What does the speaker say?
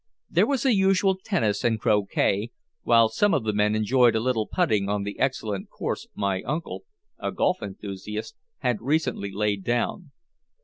There was the usual tennis and croquet, while some of the men enjoyed a little putting on the excellent course my uncle, a golf enthusiast, had recently laid down.